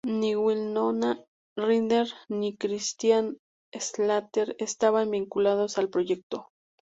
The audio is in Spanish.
Ni Winona Ryder ni Christian Slater estaban vinculados al proyecto.